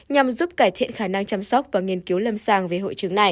nhằm giúp cải thiện khả năng chăm sóc và nghiên cứu lâm sàng về hội chứng này